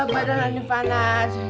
badan aneh fanas